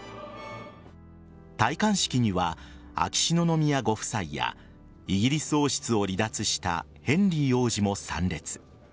戴冠式には、秋篠宮ご夫妻やイギリス王室を離脱したヘンリー王子も参列。